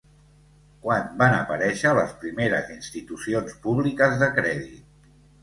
Quan van aparèixer les primeres institucions públiques de crèdit?